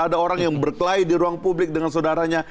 ada orang yang berkelahi di ruang publik dengan saudaranya